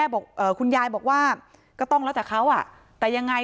บอกคุณยายบอกว่าก็ต้องแล้วแต่เขาอ่ะแต่ยังไง